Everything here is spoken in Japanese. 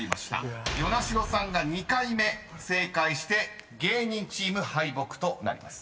［與那城さんが２回目正解して芸人チーム敗北となります］